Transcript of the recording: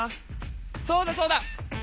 そうだそうだ！